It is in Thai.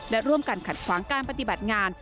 และร่วมกันขัดขวางการปฏิบัติงาน